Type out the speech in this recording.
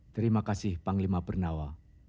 terima kasih panglima pernawa